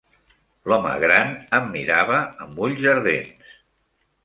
L'home gran em mirava amb ulls ardents.